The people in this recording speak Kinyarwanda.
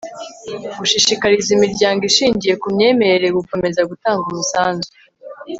gushishikariza imiryango ishingiye ku myemerere gukomeza gutanga umusanzu